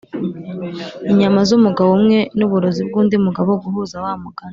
inyama zumugabo umwe nuburozi bwundi mugabo guhuza wa mugani